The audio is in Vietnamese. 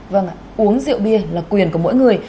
vâng uống rượu bia là quyền của mỗi người